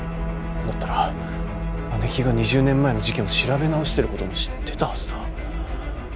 だったら姉貴が２０年前の事件を調べ直してることも知ってたはずだ。